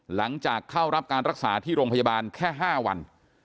หลังจากเข้ารับการรักษาที่โรงพยาบาลแค่๕วัน